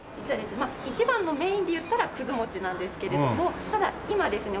一番のメインでいったらくず餅なんですけれどもただ今ですね